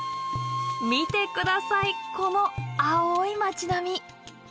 見て下さいこの青い町並み。